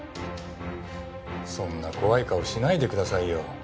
そんな怖い顔しないでくださいよ。